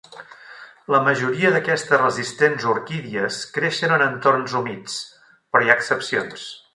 La majoria d'aquestes resistents orquídies creixen en entorns humits, però hi ha excepcions.